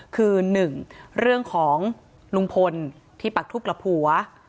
คือ๑เรื่องของลุงพลที่ปักทุบกับผัว